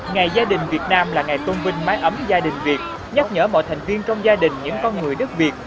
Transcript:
ngày gia đình việt nam là ngày tôn vinh mái ấm gia đình việt nhắc nhở mọi thành viên trong gia đình những con người đất việt